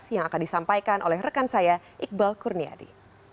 yang akan disampaikan oleh rekan saya iqbal kurniadi